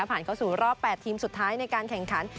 ผ่านเข้าสู่รอบ๘ทีมสุดท้ายในการแข่งขัน